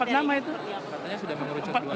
ternyata empat nama itu